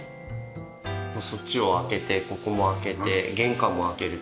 そっちを開けてここも開けて玄関も開けると。